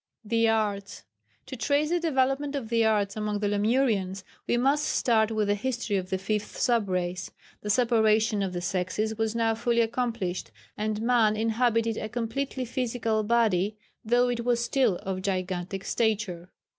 [Sidenote: The Arts.] To trace the development of the Arts among the Lemurians, we must start with the history of the fifth sub race. The separation of the sexes was now fully accomplished, and man inhabited a completely physical body, though it was still of gigantic stature.